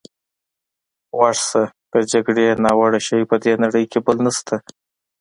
غوږ شه، له جګړې ناوړه شی په دې نړۍ کې بل نشته.